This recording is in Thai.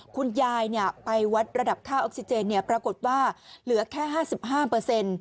คุณยายไปวัดระดับค่าออกซีเจนปรากฏว่าเหลือแค่๕๕